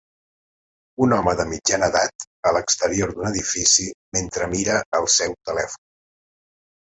Un home de mitjana edat a l'exterior d'un edifici mentre mira el seu telèfon.